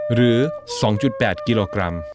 หรือ๒๘กิโลกรัม